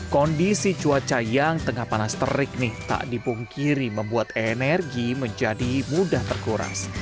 kondisi cuaca yang tengah panas terik nih tak dipungkiri membuat energi menjadi mudah terkuras